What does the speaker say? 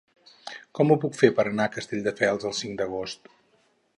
Com ho puc fer per anar a Castelldefels el cinc d'agost?